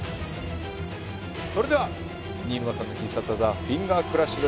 それでは新沼さんの必殺技フィンガークラッシュです。